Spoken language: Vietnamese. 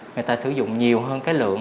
người ta sử dụng nhiều hơn cái lượng